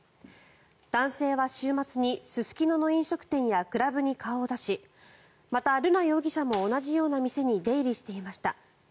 男性は週末にすすきのの飲食店やクラブに顔を出しまた、瑠奈容疑者も同じような店に出入りしていました。